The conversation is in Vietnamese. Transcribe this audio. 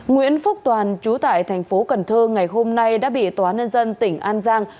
nguyễn phúc toàn chú tại thành phố cần thơ ngày hôm nay đã bị tòa nhân dân tỉnh an giang